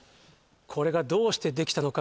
これがどうしてできたのか？